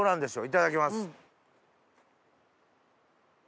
いただきます。